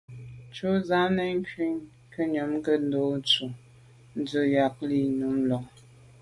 Tshù ju z’a na’ ngù kà ngùnyàm nke ndo’ ntshu i ntswe’ tsha’ yi là num lon.